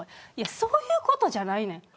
そういうことじゃないねん。